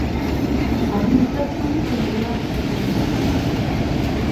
ადმინისტრაციული ცენტრია სოფელი მასი.